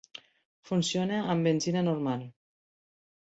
Funciona amb benzina normal.